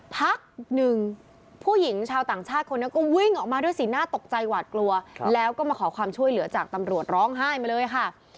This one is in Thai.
พักหนึ่งผู้หญิงชาวต่างชาติคนนี้ก็วิ่งออกมาด้วยสีหน้าตกใจหวาดกลัวแล้วก็มาขอความช่วยเหลือจากตำรวจร้องไห้มาเลยค่ะ